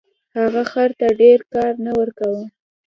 هغه خر ته ډیر کار نه ورکاوه.